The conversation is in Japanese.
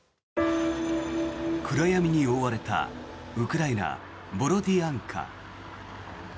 暗闇に覆われたウクライナ・ボロディアンカ。